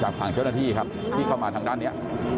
ฝั่งเจ้าหน้าที่ครับที่เข้ามาทางด้านนี้